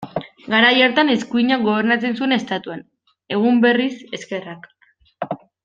Garai hartan eskuinak gobernatzen zuen Estatuan, egun berriz, ezkerrak.